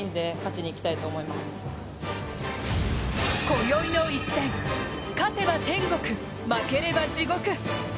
今宵の一戦、勝てば天国、負ければ地獄。